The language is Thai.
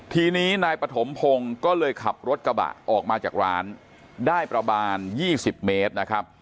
ทีนี้นายปฐมพงศ์ก็เลยขับรถกระบะออกมาจากร้านได้ประมาณ๒๐เมตรนะครับ